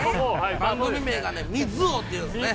番組名が「水王」っていうんですよね。